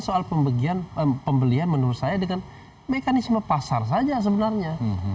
soal pembelian menurut saya dengan mekanisme pasar saja sebenarnya